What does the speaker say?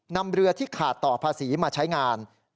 นำเรือที่ขาดต่อภาษีมาใช้งาน